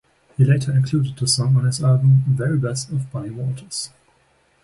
He later included the song on his album "Very Best of Bunny Walters".